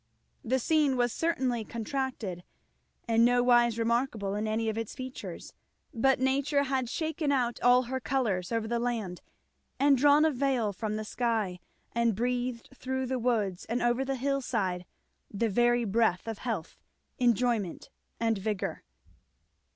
The scene was certainly contracted and nowise remarkable in any of its features, but Nature had shaken out all her colours over the land, and drawn a veil from the sky, and breathed through the woods and over the hill side the very breath of health, enjoyment, and vigour.